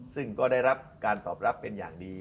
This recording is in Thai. ซึ่งก็ได้รับการตอบรับเป็นอย่างดี